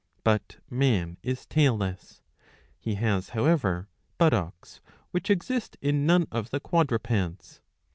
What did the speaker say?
But man is tail less. He has however buttocks, which exist in none of the quadrupeds.